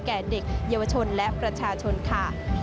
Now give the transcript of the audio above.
แก่เด็กเยาวชนและประชาชนค่ะ